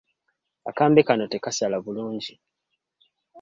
Akambe kano tekasala bulungi.